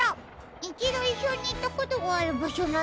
いちどいっしょにいったことがあるばしょなんですよね？